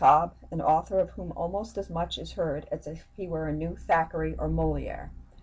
Cobb, an author of whom almost as much is heard as if he were a new Thackeray or Molière.